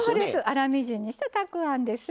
粗みじんにしたたくあんです。